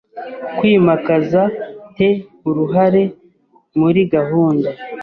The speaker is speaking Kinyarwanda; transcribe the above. kwimakaza te uruhare muri gahunda